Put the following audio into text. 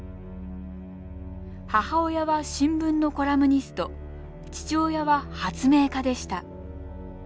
母親は新聞のコラムニスト父親は発明家でした。